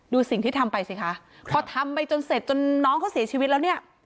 ดูสิ่งที่ทำไปสิคะพอทำไปจนเสร็จจนน้องเขาเสียชีวิตแล้วเนี่ย